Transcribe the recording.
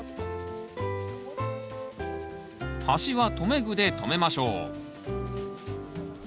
端は留め具で留めましょう。